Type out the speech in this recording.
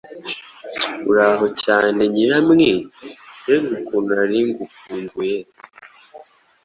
Uraho cyane Nyiramwi! Mbega ukuntu nari ngukumbuye!